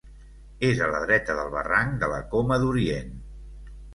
És a la dreta del barranc de la Coma d'Orient.